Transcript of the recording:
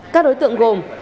các đối tượng gồm